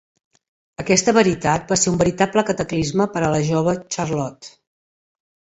Aquesta veritat va ser un veritable cataclisme per a la jove Charlotte.